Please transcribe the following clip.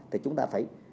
thì chúng ta phải